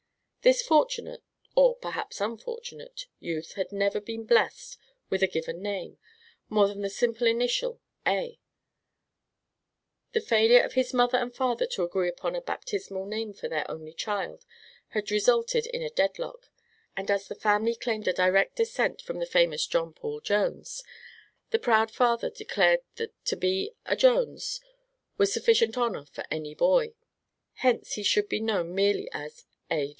This fortunate or perhaps unfortunate youth had never been blessed with a given name, more than the simple initial "A." The failure of his mother and father to agree upon a baptismal name for their only child had resulted in a deadlock; and, as the family claimed a direct descent from the famous John Paul Jones, the proud father declared that to be "a Jones" was sufficient honor for any boy; hence he should be known merely as "A.